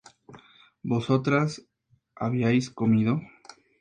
Vosotras habíais comido